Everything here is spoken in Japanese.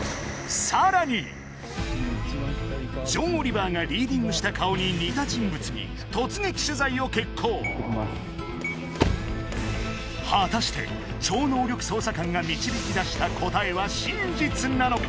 ジョン・オリバーがリーディングした顔に似た人物に突撃取材を決行果たして超能力捜査官が導き出した答えは真実なのか？